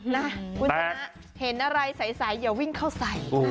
นะคุณชนะเห็นอะไรใสอย่าวิ่งเข้าใส่